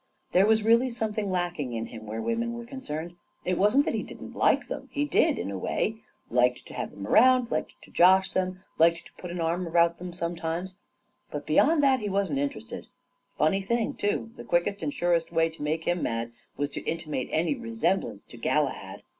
There was really something lacking in him where women were concerned. It wasn't that he didn't like them — he did, in a way — liked to have them around, liked to josh them, liked to put an arm about them sometimes — but beyond that he wasn't interested. Funny thing, too — the quickest and surest way to make him mad was to intimate any resemblance to Galahad